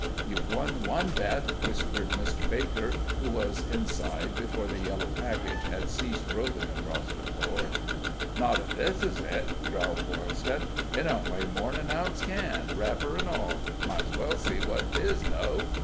"You've won one, bet," whispered Mr. Baker, who was inside before the yellow package had ceased rolling across the floor. "Not ef this is it," growled Boylston; "it don't weigh more'n ounce can, wrapper and all. Might's well see what 'tis, though."